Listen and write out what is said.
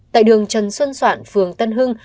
tại đường trần xuân soạn phường tân hưng